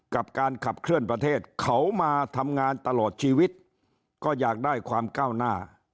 กับการขับเคลื่อนประเทศเขามาทำงานตลอดชีวิตก็อยากได้ความก้าวหน้า